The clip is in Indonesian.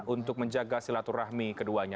untuk menjaga silaturahmi keduanya